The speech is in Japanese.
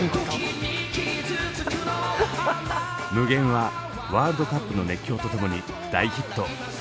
「Ｍｕｇｅｎ」はワールドカップの熱狂と共に大ヒット。